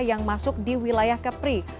yang masuk di wilayah kepri